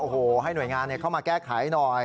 โอ้โหให้หน่วยงานเข้ามาแก้ไขหน่อย